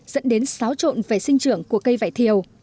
dẫn đến xáo trộn về sinh trưởng của cây vải thiều